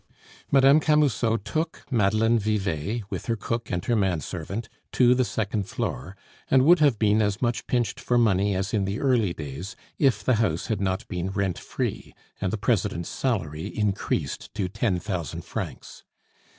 Mme. Camusot took Madeleine Vivet, with her cook and her man servant, to the second floor, and would have been as much pinched for money as in the early days, if the house had not been rent free, and the President's salary increased to ten thousand francs.